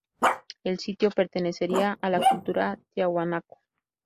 El sitio pertenecería a la cultura Tiahuanaco.